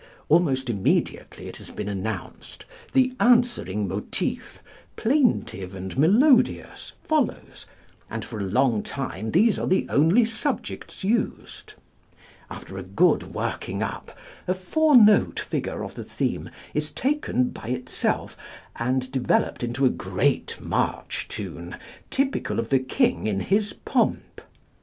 Almost immediately it has been announced the answering motif, plaintive and melodious, follows, and for a long time these are the only subjects used. After a good working up, a four note figure of the theme is taken by itself and developed into a great march tune, typical of the King in his pomp.